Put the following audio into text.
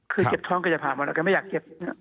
คือเจ็บท้องแกจะผ่าหมดแล้วแกไม่อยากเจ็บ